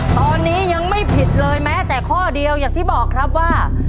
ตอนนี้ยังไม่ผิดเลยแม้แต่ข้อเดียวอย่างที่บอกครับว่า